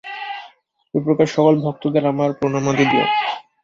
ঐ প্রকার সকল ভক্তদের আমার প্রণামাদি দিও।